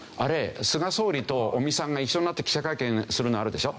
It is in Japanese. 菅総理と尾身さんが一緒になって記者会見するのあるでしょ。